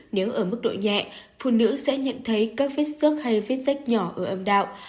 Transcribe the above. nếu ở mức độ nhẹ phụ nữ sẽ nhận thấy các vết xước hay vết rách nhỏ ở âm đạo